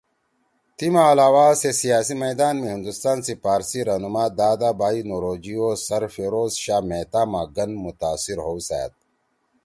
تی ما علاوہ سے سیاسی میدان می ہندوستان سی پارسی رہنما دادا بائی نوروجی او سر فیروز شاہ مہتہ ما گن متاثر ہؤسأد